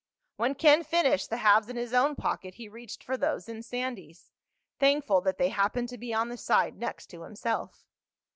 When Ken finished the halves in his own pocket he reached for those in Sandy's, thankful that they happened to be on the side next to himself.